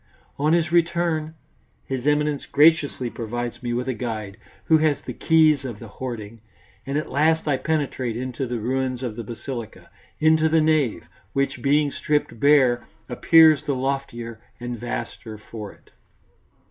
On his return, His Eminence graciously provides me with a guide, who has the keys of the hoarding, and at last I penetrate into the ruins of the basilica, into the nave, which, being stripped bare, appears the loftier and vaster for it.